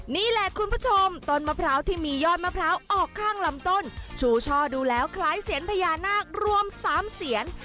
นี่แหละคุณผู้ชมต้นมะพร้าวที่มียอดมะพร้าวออกข้างลำต้นชูช่อดูแล้วคล้ายเสียนพญานาครวม๓เสียน